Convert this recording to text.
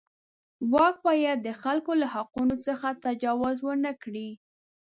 واک باید د خلکو له حقونو څخه تجاوز ونه کړي.